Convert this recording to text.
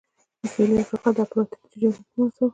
د سوېلي افریقا اپارټایډ رژیم حکومت وهڅاوه.